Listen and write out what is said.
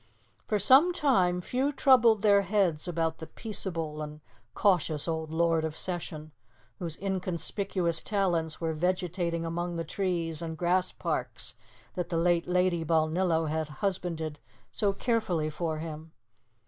For some time few troubled their heads about the peaceable and cautious old Lord of Session, whose inconspicuous talents were vegetating among the trees and grass parks that the late Lady Balnillo had husbanded so carefully for him.